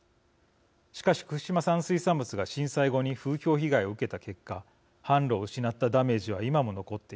しかし福島産水産物が震災後に風評被害を受けた結果販路を失ったダメージは今も残っています。